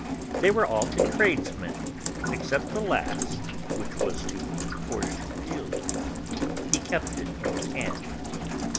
They were all to tradesmen, except the last, which was to Forcheville. He kept it in his hand.